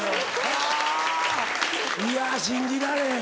はぁいや信じられん。